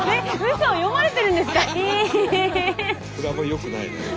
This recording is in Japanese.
それあんまりよくないね。